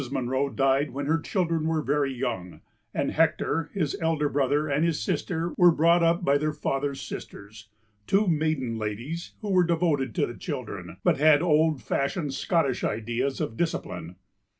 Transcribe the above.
Munro died when her children were very young, and Hector, his elder brother and his sister were brought up by their father's sisters, two maiden ladies, who were devoted to the children, but had old fashioned Scottish ideas of discipline.